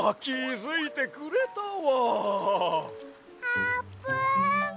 あーぷん？